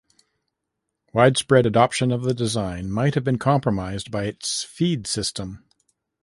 Widespread adoption of the design might have been compromised by its feed system.